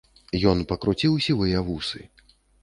Ён пакруціў сівыя вусы.